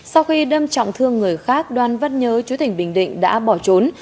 sau khi đâm trọng thương người khác đoàn vất nhớ trú tỉnh bình định đã bỏ trốn